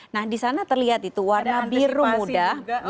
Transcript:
nah di sana terlihat itu warna biru muda